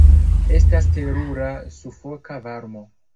Estas terura sufoka varmo.